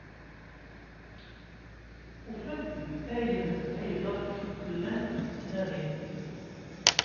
Ufant-d ayen ayɣef llant ttnadint.